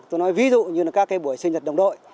tôi nói ví dụ như là các cái buổi sinh nhật đồng đội